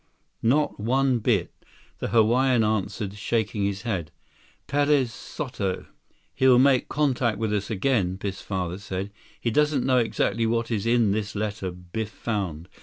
"Not one bit," the Hawaiian answered, shaking his head. "Perez Soto." "He'll make contact with us again," Biff's father said. "He doesn't know exactly what is in this letter Biff found.